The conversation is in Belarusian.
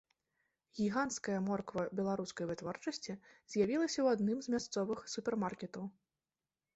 Гіганцкая морква беларускай вытворчасці з'явілася ў адным з мясцовых супермаркетаў.